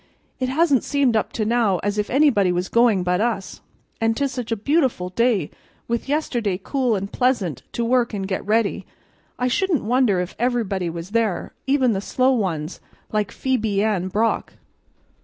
It hasn't seemed up to now as if anybody was going but us. An' 'tis such a beautiful day, with yesterday cool and pleasant to work an' get ready, I shouldn't wonder if everybody was there, even the slow ones like Phebe Ann Brock."